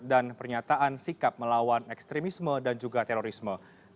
dan pernyataan sikap melawan ekstremisme dan juga terorisme